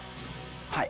はい。